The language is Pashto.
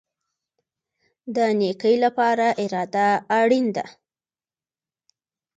د نیکۍ لپاره اراده اړین ده